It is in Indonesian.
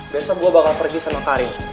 besok gue bakal pergi sama karin